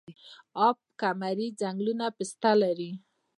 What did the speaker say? اب کمري ځنګلونه پسته لري؟